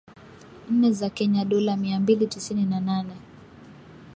nne za Kenya dola mia mbili tisini na nane